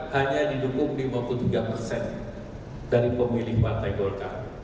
hanya didukung lima puluh tiga persen dari pemilih partai golkar